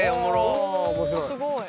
おすごい。